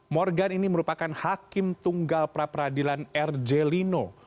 morgan ini merupakan hakim tunggal praperadilan r j lino